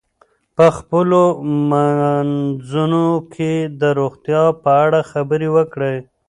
په خپلو منځونو کې د روغتیا په اړه خبرې وکړئ.